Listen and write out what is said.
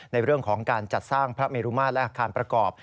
ในเรื่องของการจัดสร้างพระเมรุมาตรและอาคารประกอบ